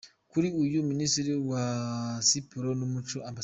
Kuri iki, Minisitiri wa Siporo n’umuco Amb.